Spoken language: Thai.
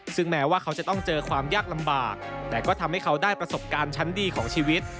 ซึ่งแม้ว่าเขาจะต้องเจอความยากลำบากแต่ก็ทำให้เขาได้ประสบการณ์ชั้นดีของชีวิต